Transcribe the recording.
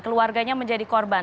keluarganya menjadi korban